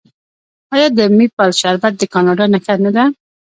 آیا د میپل شربت د کاناډا نښه نه ده؟